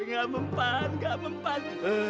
gak mempan gak mempan